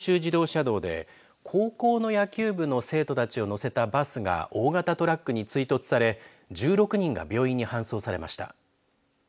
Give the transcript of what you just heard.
福岡県行橋市の東九州自動車道で高校の野球部の生徒たちを乗せたバスが大型トラックに追突され１６人が病院に搬送されました。